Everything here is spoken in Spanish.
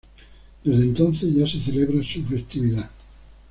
Desde entonces ya se celebraba su festividad.